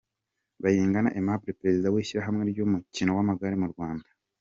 Bayingana Aimable perezida w'ishyirahamwe ry'umukino w'amagare mu Rwanda .